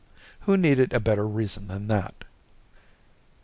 Who needed a better reason than that?